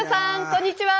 こんにちは！